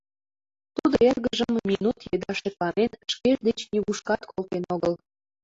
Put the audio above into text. Тудо эргыжым минут еда шекланен, шкеж деч нигушкат колтен огыл: